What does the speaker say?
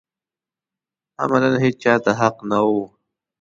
عملاً هېچا ته حق نه و